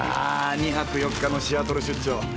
２泊４日のシアトル出張。